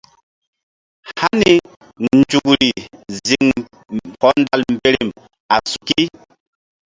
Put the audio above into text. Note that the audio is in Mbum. Hani nzukri ziŋ hɔndal mberem a suki.